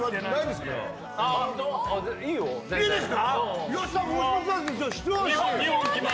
いいですか？